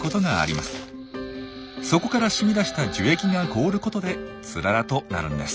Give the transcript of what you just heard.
そこから染み出した樹液が凍ることでツララとなるんです。